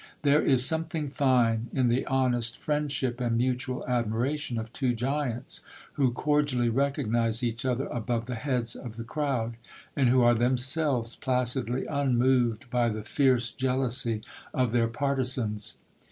There is something fine in the honest friendship and mutual admiration of two giants, who cordially recognise each other above the heads of the crowd, and who are themselves placidly unmoved by the fierce jealousy of their partisans.